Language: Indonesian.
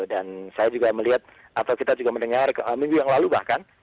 dan saya juga melihat atau kita juga mendengar minggu yang lalu bahkan